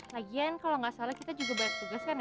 lagian kalau nggak salah kita juga banyak tugas kan ya